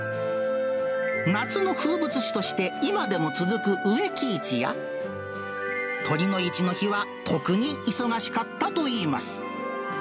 夏の風物詩として今でも続く植木市や、酉の市の日は特に忙しかったといいます。